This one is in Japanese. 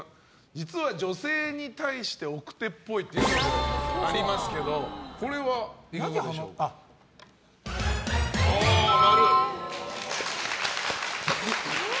実は女性に対して奥手っぽいってありますけどこれはいかがでしょう？